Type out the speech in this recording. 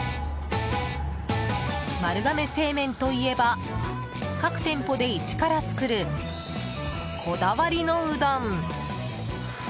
丸亀製麺といえば各店舗で一から作るこだわりのうどん。